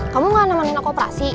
kamu gak nemenin aku operasi